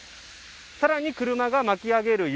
更に、車が巻き上げる雪